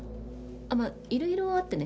まあいろいろあってね。